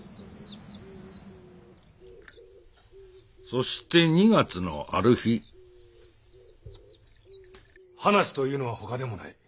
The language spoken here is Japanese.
そして２月のある日話というのはほかでもない。